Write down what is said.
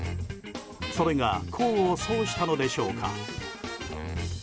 それが功を奏したのでしょうか。